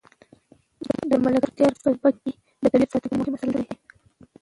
د ملکیار په سبک کې د طبیعت ستایل یو مهم اصل دی.